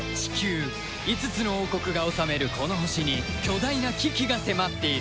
５つの王国が治めるこの星に巨大な危機が迫っている